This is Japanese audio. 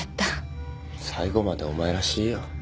最後までお前らしいよ。